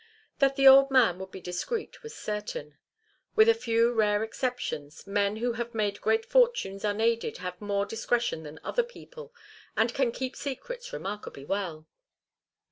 That the old man would be discreet, was certain. With a few rare exceptions, men who have made great fortunes unaided have more discretion than other people, and can keep secrets remarkably well.